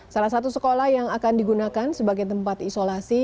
salah satu sekolah yang akan digunakan sebagai tempat isolasi